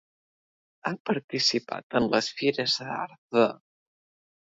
Ha participat en les fires d'art de: